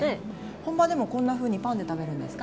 本場でもこんなふうにパンで食べるんですか？